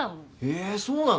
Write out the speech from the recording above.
えそうなの？